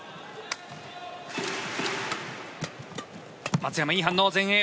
松山、いい反応、前衛。